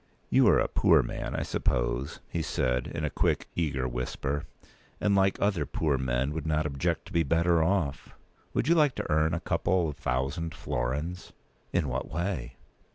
"You are a poor man, I suppose," he said, in a quick, eager whisper, "and, like other poor men, would not object to be better off. p. 214Would you like to earn a couple of thousand florins?" "In what way?"